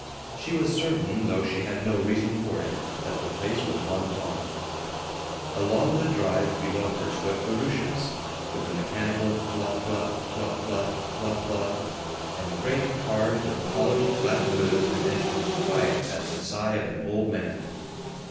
She was certain, though she had no reason for it, that the place was Mentone. Along the drive below her swept barouches, with a mechanical tlot tlot, tlot tlot, tlot tlot, and great cars with polished black hoods and engines quiet as the sigh of an old man.